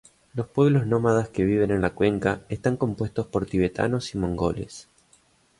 Los pueblos nómadas que viven en la cuenca están compuestos por tibetanos y mongoles.